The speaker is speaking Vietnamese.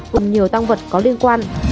cùng nhiều tăng vật có liên quan